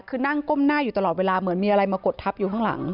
คือนั่งก้มหน้าอยู่ตลอดเวลาเหมือนมีอะไรมากดทับอยู่ข้างหลัง